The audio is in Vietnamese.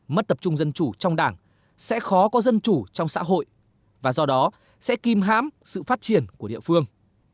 mất tập trung dân chủ trong đảng sẽ khó có dân chủ trong xã hội và do đó sẽ kim hám sự phát triển của địa phương